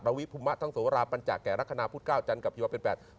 ลวิภุมะท่องสวราบมันจากแก่รักคณาพูด๙จันทร์กับพิศวรรณาประตนี๘